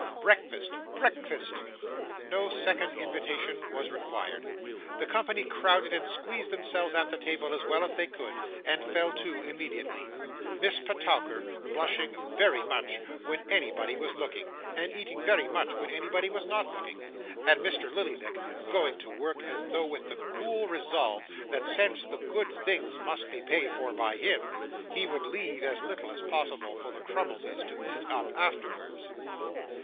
'Breakfast, breakfast.' No second invitation was required. The company crowded and squeezed themselves at the table as well as they could, and fell to, immediately: Miss Petowker blushing very much when anybody was looking, and eating very much when anybody was NOT looking; and Mr. Lillyvick going to work as though with the cool resolve, that since the good things must be paid for by him, he would leave as little as possible for the Crummleses to eat up afterwards.